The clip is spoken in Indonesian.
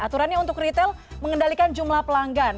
aturannya untuk retail mengendalikan jumlah pelanggan